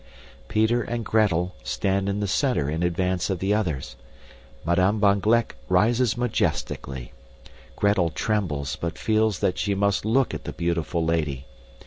Peter and Gretel stand in the center in advance of the others. Madame van Gleck rises majestically. Gretel trembles but feels that she must look at the beautiful lady.